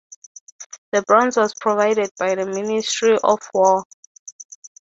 The bronze was provided by the Ministry of War.